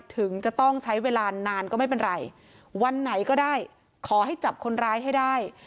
ถึงจะต้องใช้เวลานานก็ไม่เป็นไรวันไหนก็ได้ขอให้จับคนร้ายให้ได้